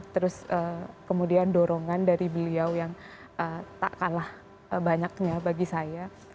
terus kemudian dorongan dari beliau yang tak kalah banyaknya bagi saya